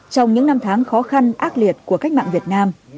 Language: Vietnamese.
trong những năm tháng khó khăn ác liệt của cách mạng việt nam